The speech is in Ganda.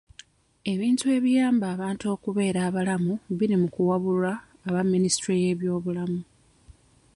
Ebintu ebiyamba abantu okubeera abalamu biri mu kuwabulwa aba minisitule y'ebyobulamu.